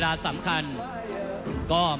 ท่านแรกครับจันทรุ่ม